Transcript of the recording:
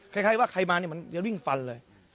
คล้ายว่าใครมาเนี่ยมันจะวิ่งฟันเลย